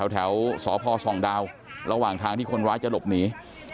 แถวสพส่องดาวระหว่างทางที่คนร้ายจะหลบหนี